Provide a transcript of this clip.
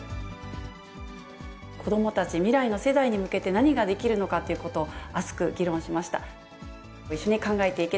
子どもたち、未来の世代に向けて、何ができるのかということを熱く議論しました。